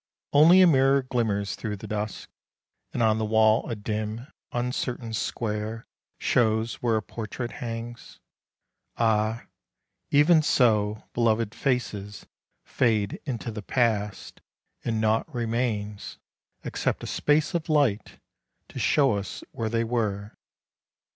Only a mirror glimmers through the dusk, And on the wall a dim, uncertain square Shows where a portrait hangs. Ah, even so Beloved faces fade into the past And naught remains except a space of light To show us where they were.